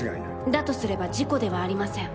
だとすれば事故ではありません。